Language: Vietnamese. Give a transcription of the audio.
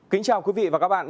kính chào quý vị và các bạn